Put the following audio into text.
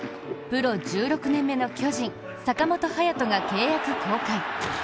プロ１６年目の巨人・坂本勇人が契約更改。